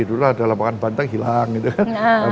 dulu ada lapangan banteng hilang gitu kan